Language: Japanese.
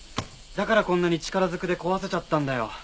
だからこんなに力ずくで壊せちゃったんだよ。